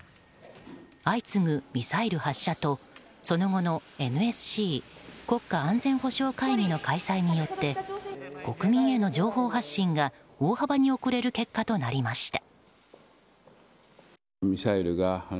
相次ぐミサイル発射と、その後のＮＳＣ・国家安全保障会議の開催によって国民への情報発信が大幅に遅れる結果となりました。